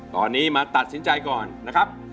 ตอนนี้มาตัดสินใจก่อนนะครับ